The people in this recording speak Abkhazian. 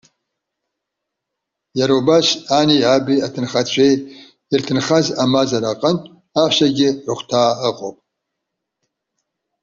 Иара убас ани, аби, аҭынхацәеи ирҭынхаз амазара аҟнытә аҳәсагьы рыхәҭаа ыҟоуп.